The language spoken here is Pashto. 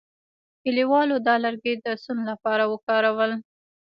کلیوالو دا لرګي د سون لپاره وکارول.